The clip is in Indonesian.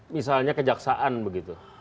misalnya kejaksaan begitu